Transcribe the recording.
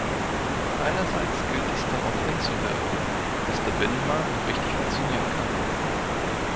Einerseits gilt es daraufhinzuwirken, dass der Binnenmarkt richtig funktionieren kann.